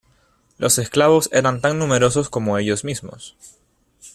los esclavos eran tan numerosos como ellos mismos